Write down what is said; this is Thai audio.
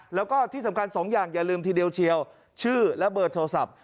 แล้วก็ที่สำคัญสองอย่างอย่าลืมทีเดียวเชียวชื่อและเบอร์โทรศัพท์